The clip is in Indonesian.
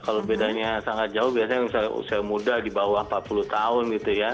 kalau bedanya sangat jauh biasanya usia muda di bawah empat puluh tahun gitu ya